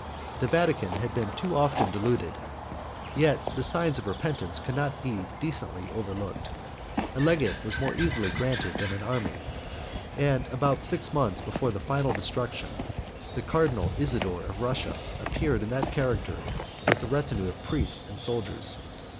The Vatican had been too often deluded; yet the signs of repentance could not decently be overlooked; a legate was more easily granted than an army; and about six months before the final destruction, the cardinal Isidore of Russia appeared in that character with a retinue of priests and soldiers.